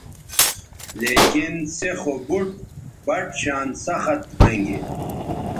لیکن سے خو بُٹ بَٹ شان سخت ھوینگے